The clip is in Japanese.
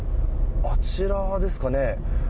あちらですかね。